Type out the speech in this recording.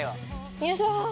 よいしょ。